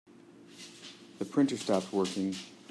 The printer stopped working.